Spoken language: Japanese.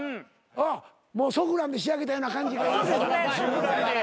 もうソフランで仕上げたような感じ。